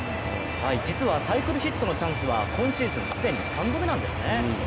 実はサイクルヒットのチャンスは今シーズン既に３度目なんですね。